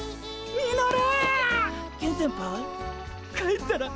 ミノル。